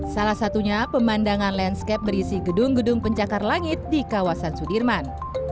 salah satunya pemandangan landscape berisi gedung gedung pencakar langit di kawasan sudirman